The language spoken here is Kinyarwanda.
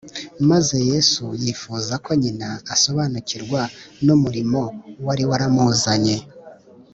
, maze Yesu yifuza ko nyina asobanukirwa n’umurimo wari waramuzanye